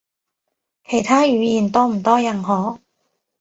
其他語言多唔多人學？